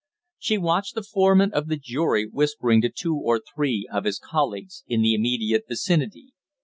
She watched the foreman of the jury whispering to two or three of his colleagues in the immediate vicinity.